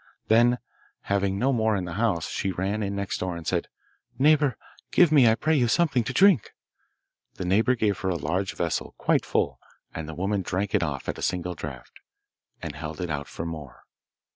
Then, having no more in the house, she ran in next door and said, 'Neighbour, give me, I pray you, something to drink.' The neighbour gave her a large vessel quite full, and the woman drank it off at a single draught, and held it out for more.